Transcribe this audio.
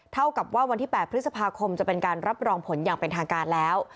เท่ากับว่าวันที่๘พฤษภาคมจะเป็นการรับรองผลอย่างเป็นทางการแล้ว